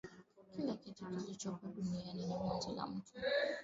kila kitu kilichopo duniani ni mwanzo la mtu